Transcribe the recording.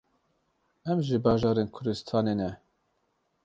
Em ji bajarên Kurdistanê ne.